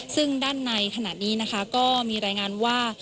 ซึ่งด้านในขณะนี้นะคะก็มีรายงานว่า